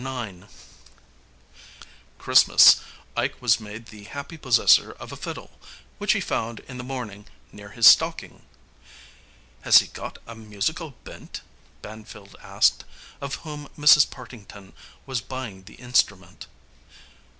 IX Christmas Ike was made the happy possessor of a fiddle, which he found in the morning near his stocking. "Has he got a musical bent?" Banfield asked, of whom Mrs. Partington was buying the instrument.